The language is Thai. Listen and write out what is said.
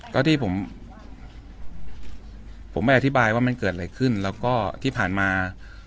ก็ที่ผมผมไม่อธิบายว่ามันเกิดอะไรขึ้นแล้วก็ที่ผ่านมา